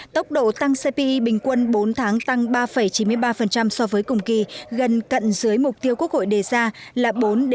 tốc độ tăng cpi bình quân bốn tháng tăng ba chín mươi ba so với cùng kỳ gần cận dưới mục tiêu quốc hội đề ra là bốn bốn